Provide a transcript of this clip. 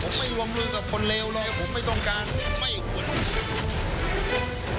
ไม่หวัด